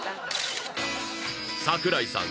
櫻井さん